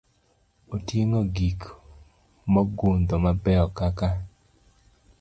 Oting'o gik mogundho mabeyo kaka